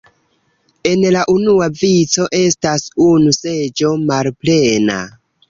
En la unua vico estas unu seĝo malplena.